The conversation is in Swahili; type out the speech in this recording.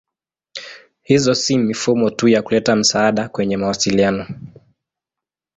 Hizo si mifumo tu ya kuleta msaada kwenye mawasiliano.